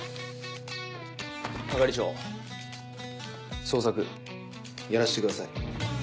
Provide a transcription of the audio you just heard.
係長捜索やらせてください。